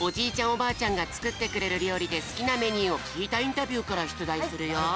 おばあちゃんがつくってくれるりょうりですきなメニューをきいたインタビューからしゅつだいするよ。